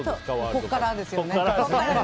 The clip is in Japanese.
ここからですね。